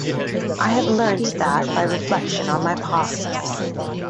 I have learnt that by reflection on my past.